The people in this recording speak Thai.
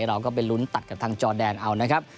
เราก็ไปลุ้นตัดกับทางจอแดนเอานะครับ